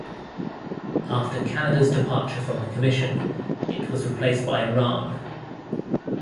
After Canada's departure from the Commission, it was replaced by Iran.